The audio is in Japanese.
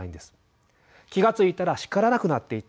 「気がついたら叱らなくなっていた」